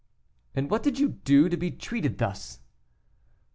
"And what did you do to be treated thus?"